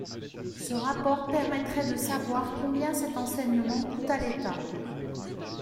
Ce rapport permettrait de savoir combien cet enseignement coûte à l’État.